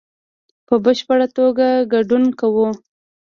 په بشپړ توګه ګډون کوو